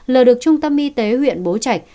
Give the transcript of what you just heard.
l được trung tâm y tế huyện bố trạch